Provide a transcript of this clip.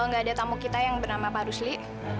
nggak ada tamu kita yang bernama pak rusli